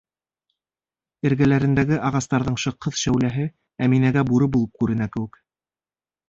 Эргәләрендәге ағастарҙың шыҡһыҙ шәүләһе Әминәгә бүре булып күренә кеүек.